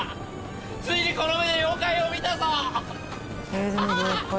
ついにこの目で妖怪を見たぞハハハ！